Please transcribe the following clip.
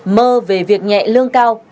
mơ về việc nhẹ lương cao